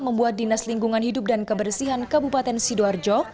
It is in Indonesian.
membuat dinas lingkungan hidup dan kebersihan kabupaten sidoarjo